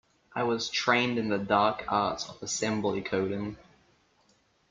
I was trained in the dark arts of assembly coding.